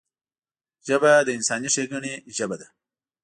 ژبه د انساني ښیګڼې ژبه ده